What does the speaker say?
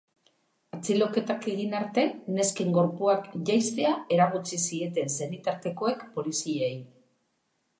Atxiloketak egin arte, nesken gorpuak jaistea eragotzi zieten senitartekoek poliziei.